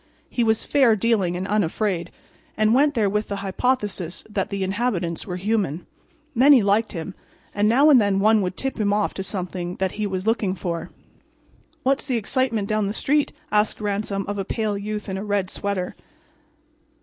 He was fair dealing and unafraid and went there with the hypothesis that the inhabitants were human. Many liked him, and now and then one would tip off to him something that he was looking for. "What's the excitement down the street?" asked Ransom of a pale youth in a red sweater.